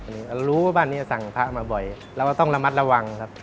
รู้ว่าบ้านนี้สั่งพระมาบ่อยเราก็ต้องระมัดระวังครับ